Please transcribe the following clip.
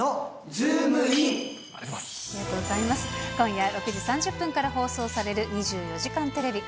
今夜６時３０分から放送される２４時間テレビ。